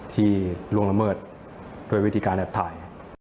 ล่วงละเมิดด้วยวิธีการแอบถ่าย